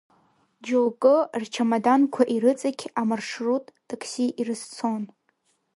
Џьоукы, рчамаданқәа ирыҵақь, амаршрут такси ирызцон.